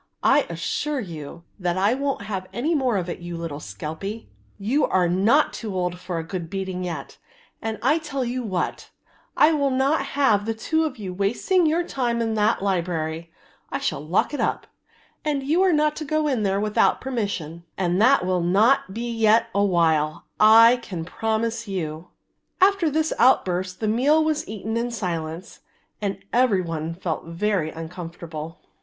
I assure you that I won't have any more of it, you little skelpie, you are not too old for a good beating yet, and I tell you what; I will not have the two of you wasting your time in that library, I shall lock it up, and you are not to go in there without permission, and that will not be yet awhile, I can promise you." A girl young enough to be whipped (skelped). After this outburst the meal was eaten in silence and every one felt very uncomfortable.